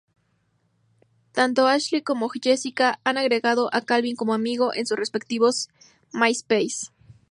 Tanto Ashlee como Jessica han agregado a Calvin como "amigo" en sus respectivos MySpace.